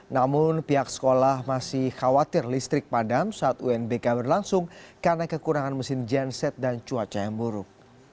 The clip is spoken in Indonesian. namun pihak sekolah masih khawatir listrik padam saat unbk berlangsung karena kekurangan mesin genset dan cuaca yang buruk